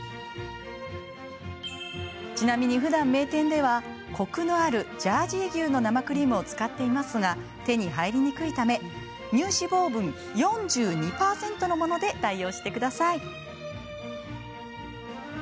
ちなみに、ふだん名店ではコクのあるジャージー牛の生クリームを使っていますが手に入りにくいため乳脂肪分４２％のもので代用してください。